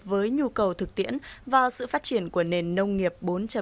được phù hợp với nhu cầu thực tiễn và sự phát triển của nền nông nghiệp bốn